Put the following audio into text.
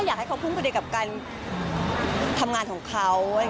ก็อยากให้เขาฟุ้มกรรมกันกับการทำงานของเขา